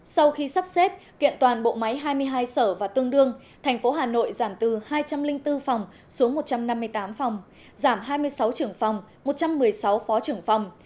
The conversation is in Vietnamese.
sau khi sắp xếp kiện toàn bộ máy hai mươi hai sở và tương đương thành phố hà nội giảm từ hai trăm linh bốn phòng xuống một trăm năm mươi tám phòng giảm hai mươi sáu trưởng phòng một trăm một mươi sáu phó trưởng phòng